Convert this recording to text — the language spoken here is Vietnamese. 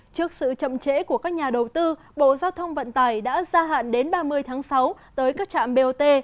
trước sự chậm trễ của các nhà đầu tư bộ giao thông vận tải đã gia hạn đến ba mươi tháng sáu tới các trạm bot